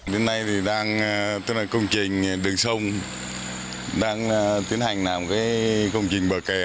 đến nay thì đang tức là công trình đường sông đang tiến hành làm công trình bờ kè